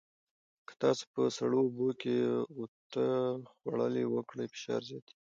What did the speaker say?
که تاسو په سړو اوبو کې غوطه خوړل وکړئ، فشار زیاتېږي.